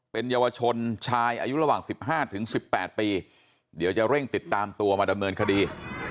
เป็นเยาวชนชายอายุระหว่าง๑๕๑๘ปีเดี๋ยวจะเร่งติดตามตัวมาดำเนินคดี